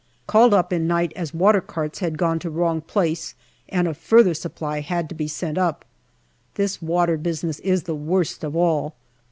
Called up in night as water carts had gone to wrong place and a further supply had to be sent up. This water business is the worst of all.